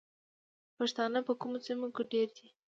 پښتانه په کومو سیمو کې ډیر دي؟